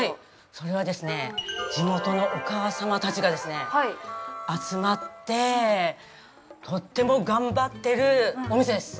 それはですね、地元のお母様たちがですね集まって、とっても頑張ってるお店です。